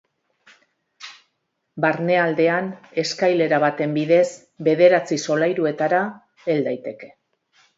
Barnealdean, eskailera baten bidez bederatzi solairuetara hel daiteke.